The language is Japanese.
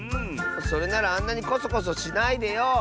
それならあんなにこそこそしないでよ！